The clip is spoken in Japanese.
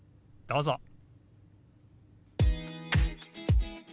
どうぞ。